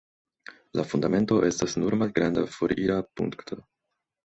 La fundamento estas nur malgranda forira punkto.